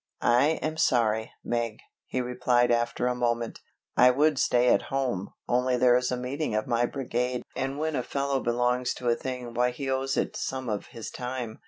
"I am sorry, Meg," he replied after a moment. "I would stay at home, only there is a meeting of my brigade and when a fellow belongs to a thing why he owes it some of his time.